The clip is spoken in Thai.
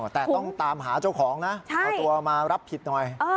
แต่ต้องตามหาเจ้าของนะเอาตัวมารับผิดหน่อย